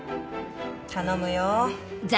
頼むよ！